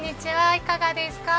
いかがですか？